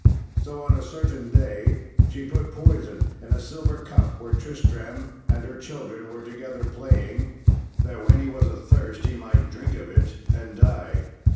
So on a certain day she put poison in a silver cup, where Tristram and her children were together playing, that when he was athirst he might drink of it and die.